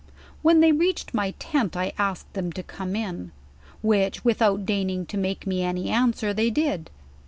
"When they reached my tent, I asked them to come in; which, without deigning to make mo any answer, they did.